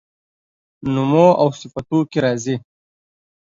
نومواوصفتوکي راځي